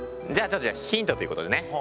じゃあちょっとヒントということでね。